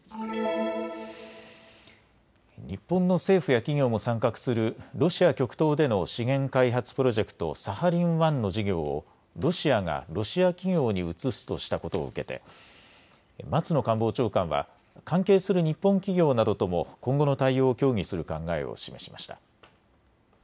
日本の政府や企業も参画するロシア極東での資源開発プロジェクト、サハリン１の事業をロシアがロシア企業に移すとしたことを受けて松野官房長官は関係する日本企業などとも今後の対応を協議する考えを示しました。